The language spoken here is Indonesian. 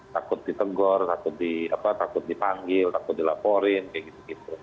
takut ditegur takut dipanggil takut dilaporin kayak gitu gitu